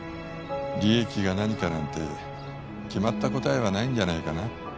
利益が何かなんて決まった答えはないんじゃないかな？